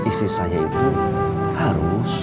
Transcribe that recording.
isi saya itu harus